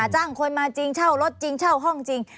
จ้างคนมาจริงเช่ารถจริงเช่าห้องจริง